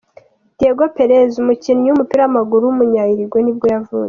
Diego Pérez, umukinnyi w’umupira w’amaguru w’umunya-Uruguay nibwo yavutse.